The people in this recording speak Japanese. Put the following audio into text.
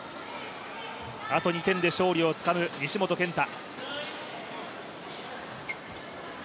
あと２点で勝利をつかむ西本拳太。